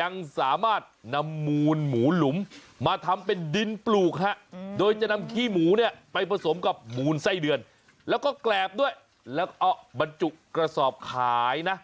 ยังสามารถนำมูลหมูหลุมมาทำเป็นดินปลูกฮะโดยจะนำขี้หมูเนี่ยไปผสมกับหมูลไส้เดือนแล้วก็แกรบด้วยแล้วก็บรรจุกระสอบขายนะ